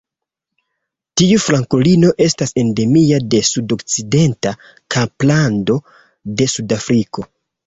Tiu frankolino estas endemia de sudokcidenta Kablando de Sudafriko.